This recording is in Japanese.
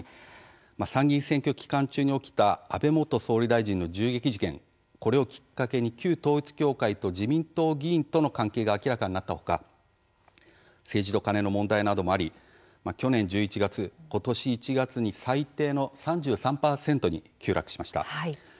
参議院選挙期間中に起きた安倍元総理大臣の銃撃事件をきっかけに旧統一教会と自民党議員との関係が明らかになった他政治と金の問題などもありまして去年１１月と今年１月に最低の３３％に急落したんです。